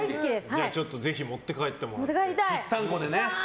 ぜひ持って帰ってもらって。